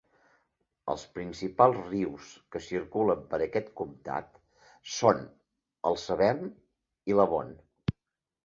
Els principals rius que circulen per aquest comtat són el Severn i l'Avon.